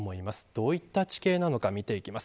どういった地形なのか見ていきます。